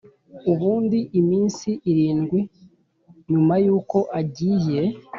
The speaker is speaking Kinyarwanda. ubundi iminsi irindwi nyuma yuko agiye